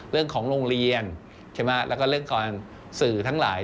เรื่องของโรงเรียนและเรื่องสื่อทั้งหลาย